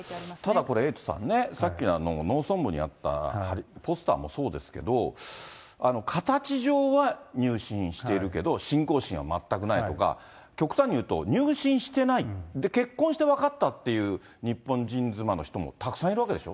ただこれ、エイトさんね、さっきの農村部にあったポスターもそうですけど、形じょうは入信してるけども、信仰心は全くないとか、極端に言うと、入信してない、結婚して分かったっていう日本人妻の人もたくさんいるわけでしょ。